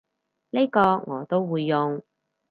呢個我都會用